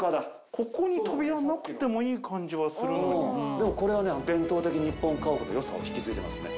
ここに扉なくてもいい感じはでもこれはね、伝統的日本家屋のよさを引き継いでますね。